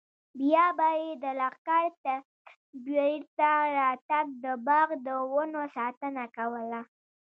بیا به یې د لښکر تر بېرته راتګ د باغ د ونو ساتنه کوله.